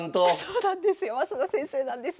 そうなんですよ増田先生なんです。